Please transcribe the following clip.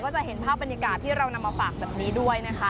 จะเห็นภาพบรรยากาศที่เรานำมาฝากแบบนี้ด้วยนะคะ